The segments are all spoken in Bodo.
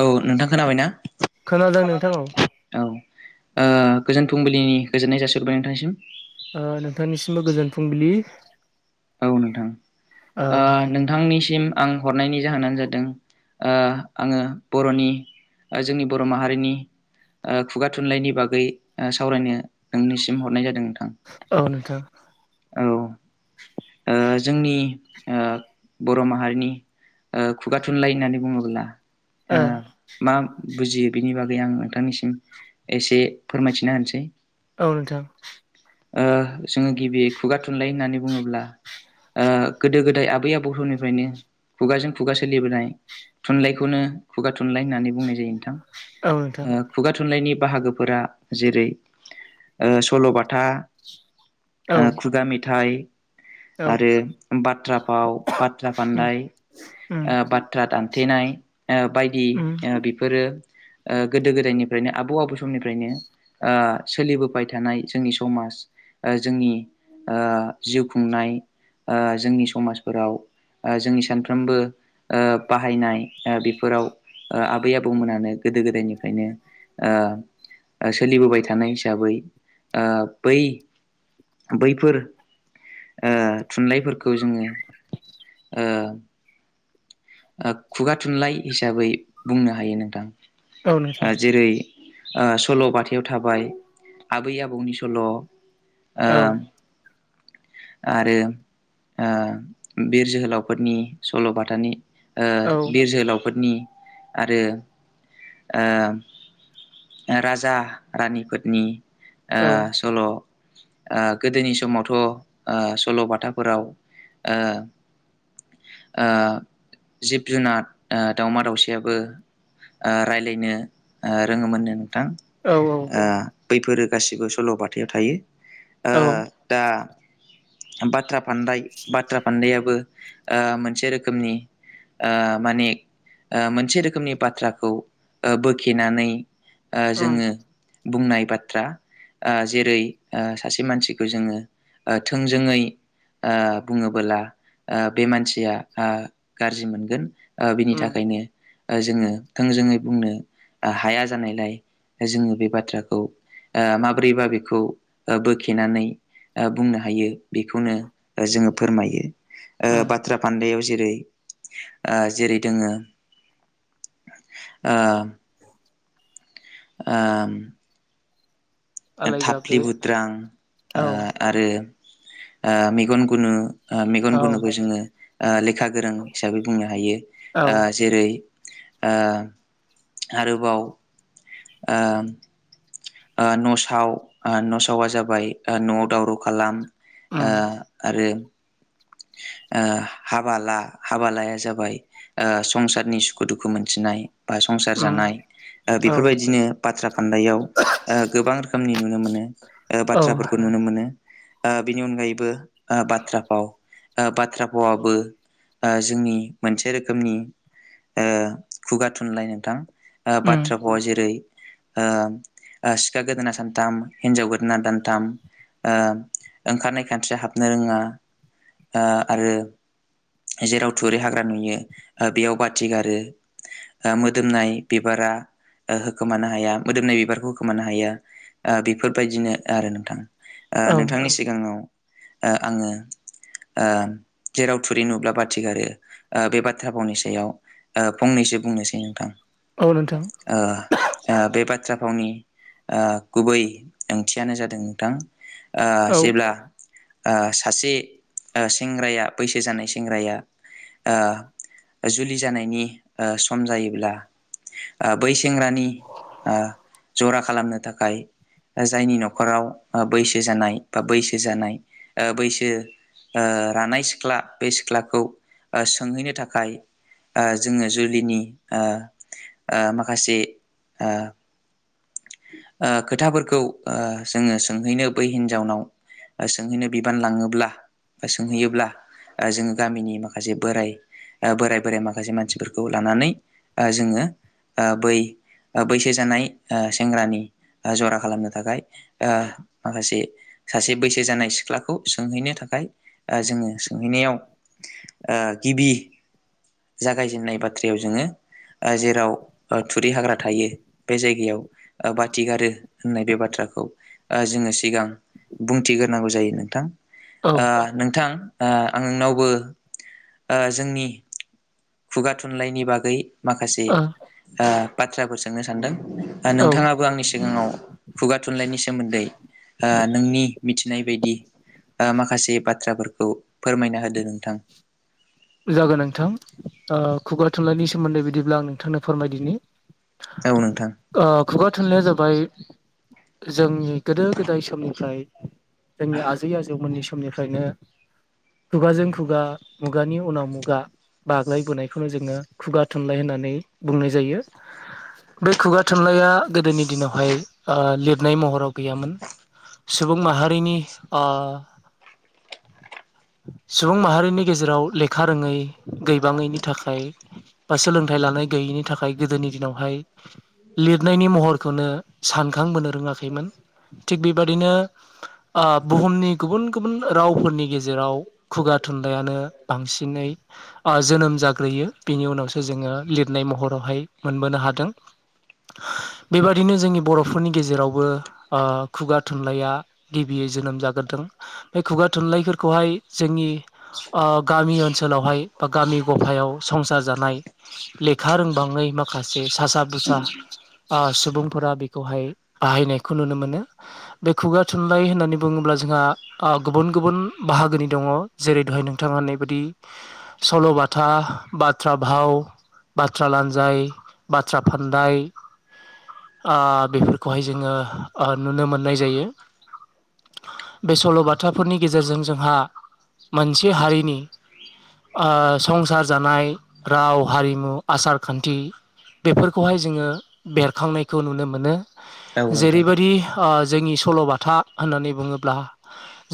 औ नोंथां खोनाबायनाा नोंथां खोनादों औ औ गोजोन फुंबिलिनि गोजोननाय जासिग्रोबबाय नोंथांनिसिम ओ नोंथांनिसिमबो गोजोन फुंबिलि औ नोंथां ओ नोंथांनिसिम आं हरनायनि जाहोनानो जादों आङो बर'नि जोंनि बर' माहारिनि खुगा थुनलाइनि बागै सावरायनो नोंनिसिम हरनाय जादों औनोथां औ जोंनि बर' माहारिनि खुगा थुनलाइ होननानै बुङोब्ला ओ मा बुजियो बेनि बागै आं नोंथांनिसिम एसे फोरमायथिना होनसै औ नोंथां जोङो गिबि खुगा थुनलाइ होननानै बुङोब्ला गोदो गोदाय आबै आबौ समनिफ्रायनो खुगाजों खुगा सोलिबोनाय थुनलाइखौनो खुगा थुनलाइ होननानै बुंनाय जायो नोंथां औ नोंथां खुगा थुनलाइनि बाहागोफोरा जेरै सल'बाथा औ खुगा मेथाइ औ आरो बाथ्रा फाव बाथ्रा उम फान्नाय उम बाथ्रा द दानथेनाय बायदि उम बेफोरो गोदो गोदायनिफ्रायनो आबौ आबौ समनिफ्रायनो सोलिबोबाय थानाय जोंनि समाज जोंनि जिउ खुंनाय जोंनि समाजफोराव जोंनि सानफ्रोमबो बाहायनाय बेफोराव आबै आबौमोनानो गोदो गोदायनिफ्रायनो सोलिबोबाय थानाय हिसाबै बै बैफोर थुनलाइफोरखौ जोङो औ खुगा थुनलाइ हिसाबै बुंनो हायो औ नोंथां नोंथां जेरै सल' बथायाव थाबाय आबै आबौनि सल' औ आं आरो बिर जोहोलावफोरनि सल'बाथानि औ बिर जोहोलावफोरनि आरो राजा रानिफोरोनि औ सल' गोदोनि समावथ' सल'बाथाफोराव जिब जुनार दाावमा दाउसियाबो रायज्लायनो रोङोमोननो औ बैफोरो गासिबो सल'बथायाव थायो औ दा बाथ्रा फान्दाय बाथ्रा फान्दाबो मोनसे रोखोमनि माने मोनसे रोखोमनि बाथ्राखौ बोखेनानै उम जोङो बुंनाय बाथ्रा आ जेरै आ सासे मानसिखौ जोङो ओ थोंजोङै आ बुङोबोला आ बे मानसिया आ गारजि मोनगोन आ बिनि उम थाखायनो आ जोङो थोंजोङै बुंनो ओ हाया जानायलाय जोङो बे बाथ्राखौ आ माब्रैबा बेखौ ओ बोखेनानै आ बुंनो हायो बेखौनो ओ जोङो फोरमायो आ उम बाथ्रा फान्दायाव जेरै- आ जेरै दोङो आ आम आलाय थाफ्लि जाब्रे बुद्रां औ आ आरो आ मेगन गुनु आ मेगन औ गुनुखौ जोङो आ लेखा गोरों हिसाबै बुंनो हायो औ आ जेरै आ आरोबाव आम आ न' साव आ न' सावआ जाबाय न'आव दावराव खालाम आ उम आरो [inaudible] आ हाबाला हाबा लाया जाबाय आ संसारनि सुखु दुखु मोनथिनाय बा संसार उम जानाय आ औ बेफोरबायदिनो बाथ्रा फान्दाव आ गोबां रोखोमनि नुनो मोनो ओ औ बाथ्राफोरखौ नु नो मोनो आ बिनि अनगायैबो आ बाथ्रा फाव । आ बाथ्रा फावाबो आ जोंनि मोनसे रोखोमनि आ खुगा थुनलाइ नोंथां आ उम बाथ्रा भावा जेरै- आ आ सिखा गोदोना सानथाम हिनजाव गोदोना दानथाम आ ओंखारनाय खानस्रिया हाबनो रोङा आ आरो । जेराव थुरि हाग्रा नुयो आ बेयाव बाथि गारो आ मोदोमनाय बिबार [unintelligible] ओ होखोमानो हाया मोदोमनाय बिबारखौ होखोमानो हाया आ बेफोरबायदिनो आरो नोंथां आ औ नोंथांनि सिगाङाव ओ आङो । आ जेराव थुरै नुब्ला बाथि गारो आ बे बाथ्रा फावनि सायाव आ फंनैसो बुं निसै नोंथां औ नोंथां आ आ बे बाथ थ्रा फावनि आ गुबै ओंथियानो जादों नोंथां आ औ जेब्ला आ सासे आ सेंग्राया बैसो जानाय सेंग्राया आ जुलि जानायनि आ सम जायोब्ला आ बै सेंग्रानि आ जरा खालामनो थाखाय । जायनि न'खराव आ बैसो जानाय बा बैसो जानाय बैसो आ रानाय सिख्ला बे सिख्लाखौ ओ सोंहैनो थाखाय । आ जोङो जुलिनि आ आ माखासे आ आ खोथाफोरखौ आ जोङो सोंहैनो बै हिन्जावनाव सोंहैनो बिबान लाङोब्ला बा सोंहैयोब्ला ओ जोङो गामिनि माखासे बोराय ओ बोराय बोराइ माखासे मानसिफोरखौ लानानै आ जोङो आ बै ओ बैसो आ जानाय सेंग्रानि आ जरा खालामनो थाखाय आ माखासे सासे बैसो जानाय सिख्लाखौ सोंहैनो थाखाय आ जोङो सोंहैनायाव आ गिबि जागायजेनन्नाय बाथ्रायाव जोङो । आ जेराव ओ थुरि हाग्रा थायो बे जायगायाव ओ बाथि गारो होननाय बे बाथ्रा खौ ओ जोङो सिगां बुंथिग्रोनांगौ जायो नोंथां । आ ओ नोंथां आ आंनावबो आ जोंनि खुगा थुनलाइनि बागै माखासे औ आ बाथ्राफोर सोंनो सानदों नोंथाङाबो आंनिस सिगाङाव खुगा थुनलाइनि सोमोन्दै नोंनि मिथिनाय बायदि माखासे बाथ्राफोरखौ फोरमायना होदो नोंथां । जागोन नोंथां खुगा थुनलाइनि सोमोन्दै बिदिब्ला आं नोंथांनो फोरमायदिनि औ नोंथां खुगा थुनलाया जाबाय जोंनि गोदो गोदाय समनिफ्राय जोंनि आजै आजौमोननि समनिफ्रायनो खुगाजों खुगा मुगानि उनाव मुगा बाग्लायबोनायखौनो जोङो खुगा थुनलाइ होननानै बुंनाय जायो । बे खुगा थुनलाइया गोदोनि दिनावहाय लिर नाय महराव गैयामोन सुबुं माहारिनि सुबुं माहारिनि गेजेराव लेखा लेखा रोङै गैबाङैनि थाखाय बा सोलोंथाइ लानाय गैयैनि थाखाय गोदोनि दिनावहाय । लिरनायनि महरखौनो सानखांबोनो रोङाखैमोन । थिग बेबादिनो बुहुमनि गुबुन गुबुन रावफोरनि गेजेराव खुगा थुनलायानो बांसिनै ओ जोनोम जाग्रोयो बिनि उनावसो जोङो लिरनाय महरावहाय मोनबोनो हा हादों बेबादिनो जोंनि बर'फोरनि गेजेरावबो ओ खुगा थुनलाइया गिबि जोनोम जाग्रोदों, बे खुगा थुनलाइफोरखौहाय जोंनि आ गामि ओनसोलावहाय बा गामि गफायाव संसार जानाय लेखा रोंबाङै माखासे सासा बुसा ओ सुबुंफोरा बेखौहाय बाहायनायखौ नुनो मोनो बे खु खुगा थुनलाइ होननानै बुङोब्ला जोंहा गुबुन गुबुन बाहागोनि दङ जेरै दहाय बेबायदि सल'बाथा बाथ्रा भाव बाथ्रा लानजाय बाथ्रा फानन्दाय आ बेफोरखौहाय जोङो नुनो मोननाय जायो। बे सल'बाथाफोरनि गेजेरजों जोंहा मोन ओ संसार जानाय राव हारिमु आसार खान्थि बेफोरखौहाय जोङो बेरखांनायखौ नुनो मोनो औ नोंथां जेरैबायदि जोंनि सल'बाथा होननानै बुङोब्ला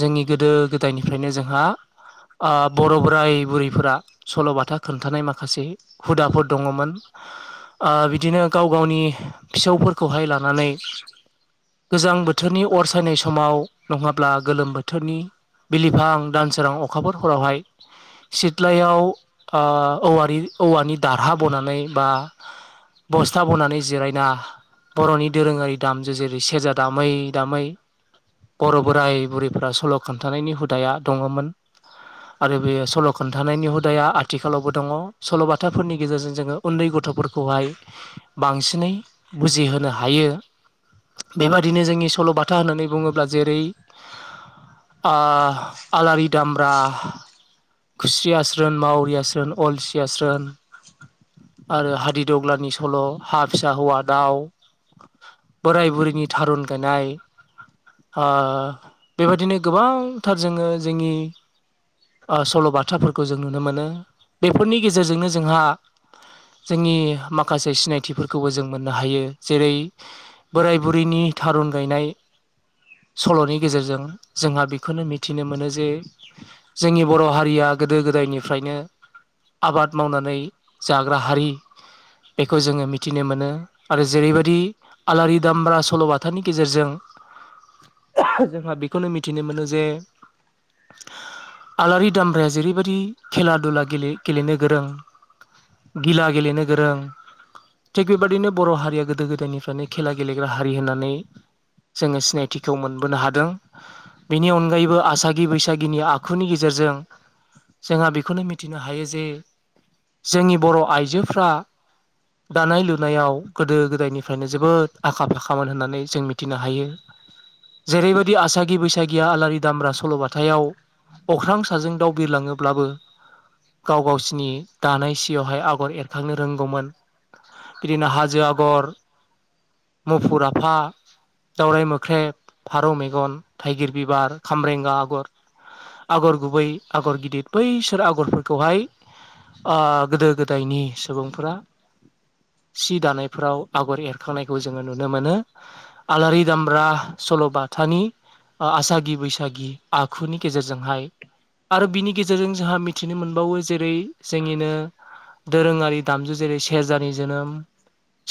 जोंनि गोदो गोदायनिफ्रायनो जोंहा आ बर' बोराय बुरैफोरा सल'बाथा खोन्थानाय माखासे हुदाफोर दङमोन। ओ बिदिनो गाव गावनि फिसौफोरखौहाय लानानै गोजां बोथोरनि अर सायनाय समाव नङाब्ला गोलोम बोथोरनि बिलिफां दान सोरां अखाफोर हरावहाय [inaudible] सिथ्लायाव ओ औवारि औवानि दारहा बनानै बा बस्था बनानै जिरायना बर'नि दोरोङारि दामजु जेरै सेरजा दामै दामै बर' बोराय बुरैफोरा सल' खोन्थानायनि हुदाया दङमोन। आरो बे सल' खोनन्थानायनि हुदाया आथिखालावबो दङ, सल'बाथाफोरनि गेजेरजों जोङो उन्दै गथ'फोरखौ हाय बांसिनै बुजिहोनो हायो। बेबादिनो जोंनि सल'बाथा होननानै बुङोब्ला जेरै आ आलारि दामब्रा खुस्रियास्रोन, मावरियास्रोन, अलसियास्रोन आरो हादिदग्लानि सल', हा फिसा हौवा दाउ बोराय बुरैनि थारुन गायनाय ओ बेबायादिनो गोबांथार जोङो जोंनि ओ सल' बाथाफोरखौ जों नुनो मोनो बेफोरनि गेजेरजोंनो जोंहा जोंनि माखासे सिनायथिफोरखौबो जों मोननो हायो। जेरै बोराय बुरैनि थारुन गायनाय सल'नि गेजेरजों जोंहा बेखौनो मिथिनो मोनो जे जोंनि बर' हारिया गोदो गोदायनिफ्रायनो आबाद मावनानै जाग्रा हारि बेखौ जोङो मिथिनो मोनो। आरो जेरैबायदि आलारि दामब्रा सल'बाथानि गेजेरजों [inaudible] [unintelligible] जोंहा बेखौनो मिथिनो मोनो जे आलारि दामब्राया जेरैबायदि खेला दुला गे-गेलेनो गोरों गिला गेलेनो गोरों थिग बेबायदिनो बर' हारिया गोदो गोदायनिफ्रायनो खेला गेलेग्रा हारि होननानै जोङो सिनायथिखौ मोनबोनो हादों। बेनि अनगायैबो आसागि बैसागिनि आ खुनि गेजेरजों जोंहा बेखौनो मिथिनो हायो जे जोंनि बर' आइजोफ्रा दानाय लुनायाव गोदो गोदायनिफ्रायनो जोबोद आखा फाखामोन होननानै जों मिथिनो हायो। जेरैबायदि आसागि बैसागिया आलारि दामब्रा सल'बथायाव अख्रां साजों दाउ बिरलाङोब्लाबो गाव गावसिनि दानाय सियावहाय आगर एरखांनो रोंगौमोन। बिदिनो हाजो आगर मुफुर आफा दावराय मोख्रेब फारौ मेगन थाइगिर बिबार खामरेंगा आगर आगर गुबै आगर गिदिर बैसोर आगरफोरखौहाय ओ गोदो गोदायनि सुबुंफोरा [inaudible] सि दानायफ्राव आगर एरखांनायखौ जोङो नुनो मोनो आलारि दामब्रा सल'बाथ थानि आसागि बैसागि आखुनि गेजेरजोंहाय आरो बिनि गेजेरजों जोंहा मिथिनो मोनबावो जेरै जोंनिनो दोरोङारि दामजु जेरै सेरजानि जोनोम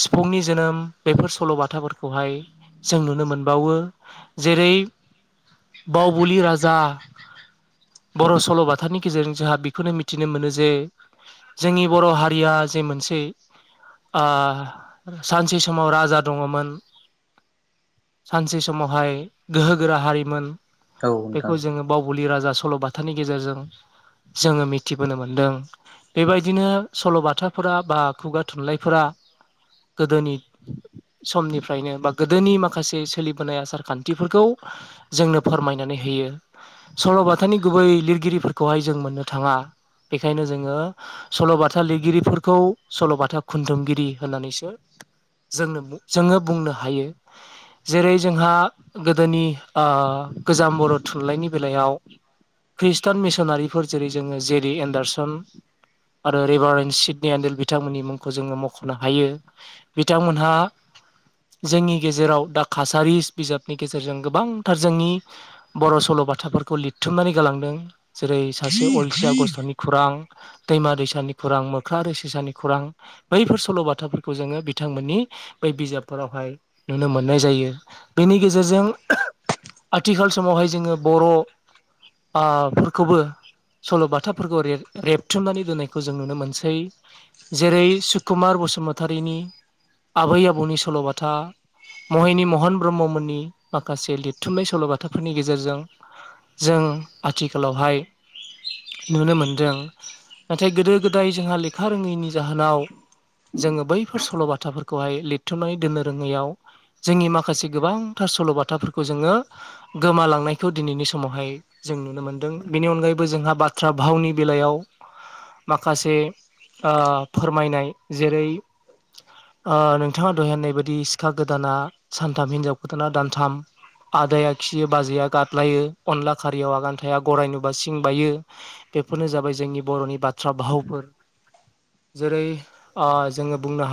सिफुंनि जोनोम बेफोर सल'बाथाफोरखौहाय जों नुनो मोनबावो जेरै बावबुलि राजा [inaudible] बर' सल'बाथानि गेजेरजों जोंहा बेखौनो मिथिनो मोनो जे जोंनि बर' हारिया जे मोनसे ओ सानसे समाव राजा दङमोन सानसे समावहाय गोहो गोरा हारिमोन औ नोंथां। बलि राजा सल'बाथानि गेजेरजों जोङो मिथिबोनो मोनदों बेबायदिनो सल'बाथाफोरा बा खुगा थुनलाइफोरा गोदोनि समनिफ्रायनो बा गोदोनि माखासे सोलिबोनाय आसार खान्थिफोरखौ जोंनो फोरमायनानै होयो । सल'बाथानि गुबै लिरगिरिफोरखौहाय जों मोननो थाङा बेखायनो जोङो सल'बाथा लिरगिरिफोरखौ सल'बाथा खुनथुमगिरि होननानैसो जों जोङो बुंनो हायो। जेरै जोंहा गोदोनि ओ गोजाम बर थुन लाइनि बेलायाव खृष्टान मिसनारिफोर जेरै जोङो जे डि एन्डारसन आरो रिभारेन्ड सिदनि एन्डेल बिथांमोननि मुंखौ जोङो मख'नो हायो बिथांमोनहा जोंनि गेजेराव दा कासारिस बिजाबनि गेजेरजों गोबांथार जोंनि बर' सल' बाथाफोरखौ लिरथुमनानै गालांदों जेरै सासे अलसिया गस्थ'नि खुरां दैमा दैसानि खुरां मोख्रा रै सिसानि खुरां बैफोर सल'बाथाफोरखौ जोङो बिथांमोननि बै बिजाबफोरावहाय नुनो मोननाय जायो बेनि गेजेरजों आथिखाल समावहाय जोङो बर' ओ फोरखौबो सल'बाथाफोरखौ रेर रेबथुमनानै दोननायखौ जों नुनो मोनसै जेरै सुकुमार बसुमतारिनि आबै आबौनि सल'बाथा महिनि महन ब्रह्ममोननि माखासे लिरथुमनाय सल' बाथा बाथाफोरनि गेजेरजों जों आथिखालावहाय नुनो मोनदों नाथाय गोदो गोदाय जोंहा लेखा रोङैनि जाहोनाव जोङो बैफोर सल'बाथाफोरखौहाय लिरथ'नानै दोननो रोङैयाव जोंनि माखासे गोबांथार सल'बाथाफोरखौ जोङो गोमालांनायखौ दिनैनि समावहाय जों नुनो मोनदों बेनि अनगायैबो जोंहा बाथ्रा भावनि बेलायाव माखासे ओ फोरमायनाय जेरै ओ नोंथाङा दहाय होननाय बायदि सिखा गोदाना सानथाम हिनजाव गोदाना दानथाम आदाया खियो बाजैया गाद्लायो अनला खारियाव आगान थाया गराइ नुबा सिं बायो बेफोरनो जाबाय जोंनि बर'नि बाथ्रा भावफोर जेरै जोङो बुंनो हायो